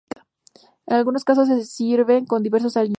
En algunos casos se sirven con diversos aliños.